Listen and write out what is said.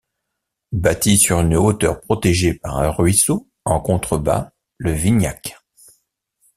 Bâtie sur une hauteur protégée par un ruisseau en contrebas le Vignacq.